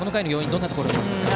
どんなところになりますか？